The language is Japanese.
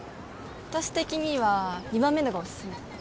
私的には２番目のがオススメ